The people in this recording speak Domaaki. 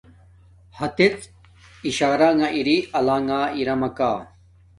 ہاتڅ اشارنگہ اری آلانݣ اراماکا